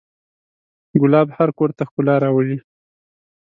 ګلاب هر کور ته ښکلا راولي.